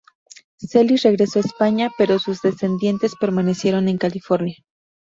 Celis regresó a España, pero sus descendientes permanecieron en California.